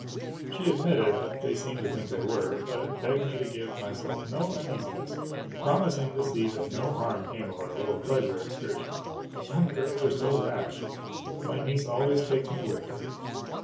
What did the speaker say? ' She admitted that they seemed to think they were, but begged me to give myself no uneasiness, promising to see that no harm came of our little pleasure excursion. Young girls are so rash! but my niece always takes me with her.